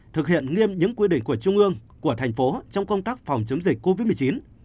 thực hiện nghiêm những quy định của trung ương của thành phố trong công tác phòng chống dịch covid một mươi chín